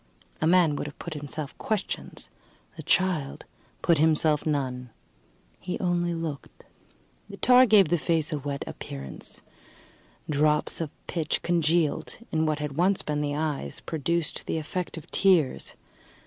A man would have put himself questions; the child put himself none he only looked. The tar gave the face a wet appearance; drops of pitch, congealed in what had once been the eyes, produced the effect of tears.